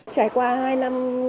trải qua hai năm